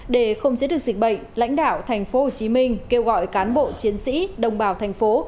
để không chế được dịch bệnh lãnh đạo thành phố hồ chí minh kêu gọi cán bộ chiến sĩ đồng bào thành phố